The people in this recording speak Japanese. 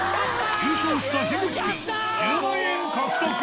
優勝したひぐち君、１０万円獲得。